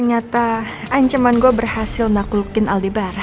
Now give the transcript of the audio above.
ternyata ancaman gue berhasil nakulukin aldebaran